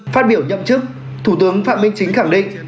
phát biểu nhậm chức thủ tướng phạm minh chính khẳng định